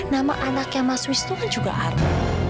nama anaknya mas wisnu kan juga arman